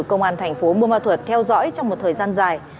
công an thành phố buôn ma thuật theo dõi trong một thời gian dài